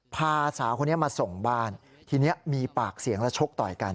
พาสาวคนนี้มาส่งบ้านทีนี้มีปากเสียงและชกต่อยกัน